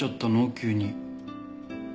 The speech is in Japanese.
急に。